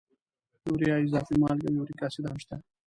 یوریا، اضافي مالګې او یوریک اسید هم شته.